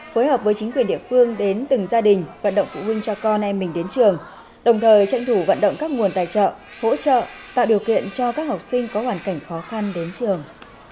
phối hợp với chính quyền địa phương đến từng gia đình vận động phụ huynh cho con em mình đến trường đồng thời tranh thủ vận động các nguồn tài trợ hỗ trợ tạo điều kiện cho các học sinh có hoàn cảnh khó khăn đến trường